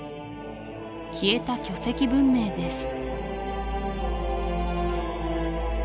消えた巨石文明です